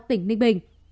tỉnh ninh bình